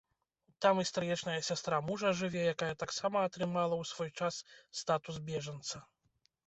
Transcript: Там і стрыечная сястра мужа жыве, якая таксама атрымала ў свой час статус бежанца.